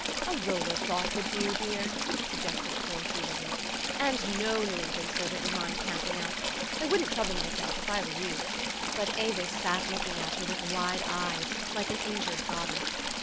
u A roller cloth would do, dear," suggested Coy soothingly. " And no New England servant would mind camping out. I wouldn't trouble myself, if I were you." THE STORY OF AVIS. 225 But Avis sat looking at her with wide eyes, like an injured goddess.